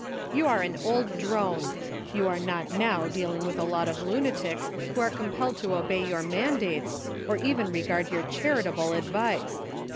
"You are an old drone ; you are not now dealing with a lot of lunatics, who are compelled to obey your mandates, or even regard your charitable (?) advice.